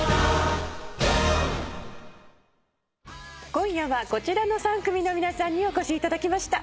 今夜はこちらの３組の皆さんにお越しいただきました。